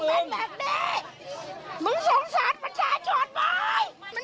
อยากทำวันอย่างทราบถนน